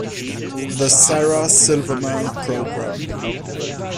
The Sarah Silverman Program.